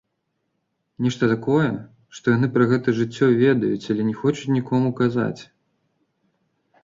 Нешта такое, што яны пра гэтае жыццё ведаюць, але не хочуць нікому казаць.